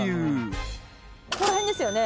ここら辺ですよね？